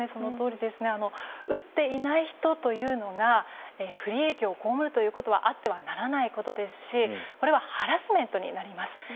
打っていない人というのが不利益を被るということはあってはならないことですしこれはハラスメントになります。